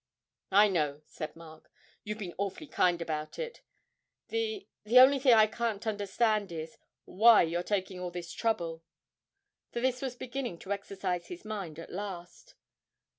'I know,' said Mark, 'you've been awfully kind about it; the the only thing I can't understand is, why you're taking all this trouble.' For this was beginning to exercise his mind at last.